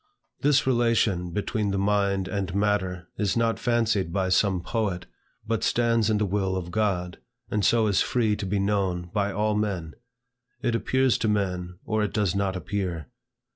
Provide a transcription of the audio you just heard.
This relation between the mind and matter is not fancied by some poet, but stands in the will of God, and so is free to be known by all men. It appears to men, or it does not appear.